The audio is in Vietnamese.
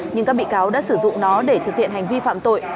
nhưng các bị cáo đã sử dụng nó để thực hiện hành vi phạm tội